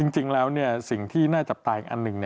จริงแล้วเนี่ยสิ่งที่น่าจะตายอีกอันหนึ่ง